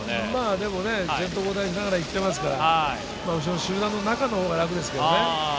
でも先頭交代しながら行っていますから集団の中のほうが楽ですからね。